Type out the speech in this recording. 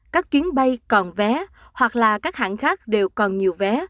các chuyến bay còn vé hoặc là các hãng khác đều còn nhiều vé